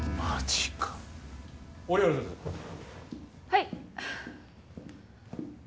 はい。